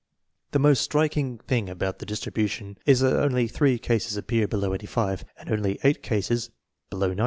The most striking thing about the distribution is that only three cases appear below 85, and only eight cases be low 90.